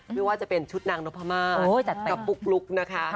ไม่ว่าจะเป็นชุดนางนพม่ากับปุ๊กลุ๊กนะคะ